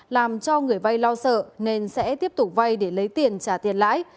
làm cho người vay lo sợ nên sẽ tiếp tục vay để lấy tiền trả tiền lãi